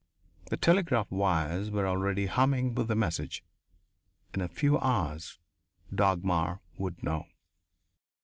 The telegraph wires were already humming with the message. In a few hours Dagmar would know.